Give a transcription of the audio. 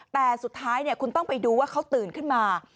แต่สุดท้ายคุณต้องไปดูว่าเขาตื่นขึ้นมา